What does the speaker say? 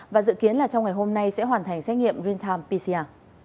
và dự kiến là trong ngày hôm nay sẽ hoàn thành xét nghiệm rintam pcr